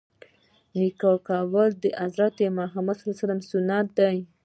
نکاح کول د مُحَمَّد ﷺ سنت دی.